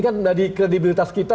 kan dari kredibilitas kita